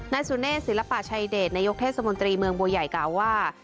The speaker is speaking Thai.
สุเนธศิลปะชัยเดชนายกเทศมนตรีเมืองบัวใหญ่กล่าวว่า